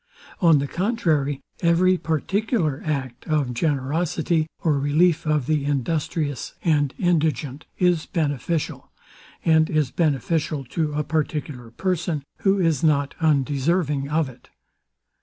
On the contrary, every particular act of generosity, or relief of the industrious and indigent, is beneficial; and is beneficial to a particular person, who is not undeserving of it.